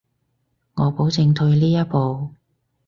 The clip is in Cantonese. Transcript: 我保證退呢一步